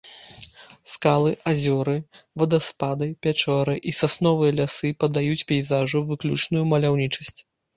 Скалы, азёры, вадаспады, пячоры і сасновыя лясы надаюць пейзажу выключную маляўнічасць.